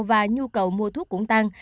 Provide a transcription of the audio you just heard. và nhu cầu mua thuốc cũng tăng